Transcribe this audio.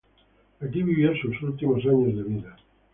Aquí vivió sus últimos años de vida.